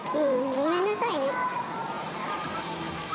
ごめんなさいね。